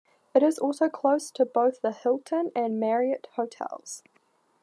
It is also close to both the Hilton and Marriott hotels.